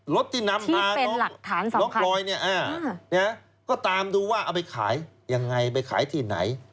รถที่นำพาน้องพลอยเนี่ยก็ตามดูว่าเอาไปขายยังไงไปขายที่ไหน